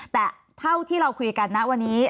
แต่เท่าที่เราคุยกันนะวันนี้